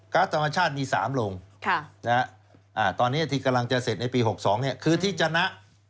ธรรมชาติมี๓โรงตอนนี้ที่กำลังจะเสร็จในปี๖๒คือที่ชนะ